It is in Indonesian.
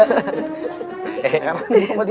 eh eran gue mah dia